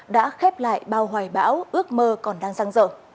đã khép lại bao hoài bão ước mơ còn đang răng rở